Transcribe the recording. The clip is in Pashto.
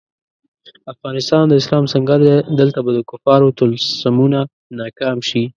افغانستان د اسلام سنګر دی، دلته به د کفارو طلسمونه ناکام شي.